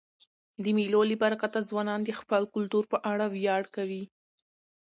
د مېلو له برکته ځوانان د خپل کلتور په اړه ویاړ کوي.